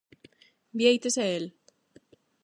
-Bieites é el?